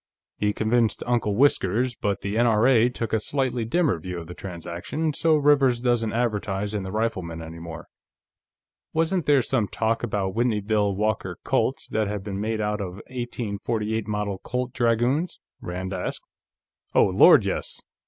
"He convinced Uncle Whiskers, but the N.R.A. took a slightly dimmer view of the transaction, so Rivers doesn't advertise in the Rifleman any more." "Wasn't there some talk about Whitneyville Walker Colts that had been made out of 1848 Model Colt Dragoons?" Rand asked. "Oh Lord, yes!